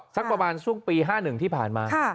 สักประมาณช่วงปี๕๑ที่ผ่านมา